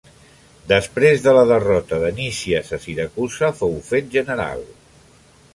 Després de la derrota de Nícies a Siracusa fou fet general.